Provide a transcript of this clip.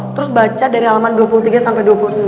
terus baca dari alaman dua puluh tiga sampai dua puluh sembilan